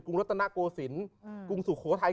กรุงรัตนโกศินทร์กรุงสุโขทัย